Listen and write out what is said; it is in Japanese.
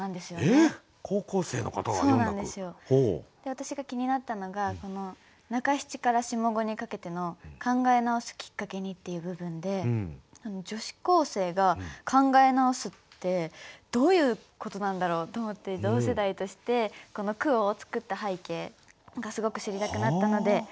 私が気になったのが中七から下五にかけての「考え直すきっかけに」っていう部分で女子高生が考え直すってどういうことなんだろうと思って同世代としてこの句を作った背景がすごく知りたくなったので。